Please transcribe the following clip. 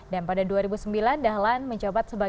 dan pada dua ribu sembilan dahlan menjabat sebagai